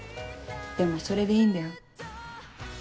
でもそれでいいんだよ。